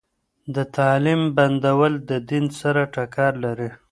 د تعليم بندول د دین سره ټکر لري.